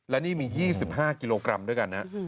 และนี่มี๒๕กิโลกรัมด้วยกันนะ